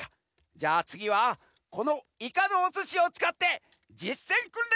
じゃあつぎはこの「いかのおすし」をつかってじっせんくんれんをやるざんすよ！